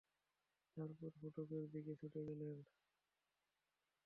তারপর ফটকের দিকে ছুটে গেলেন।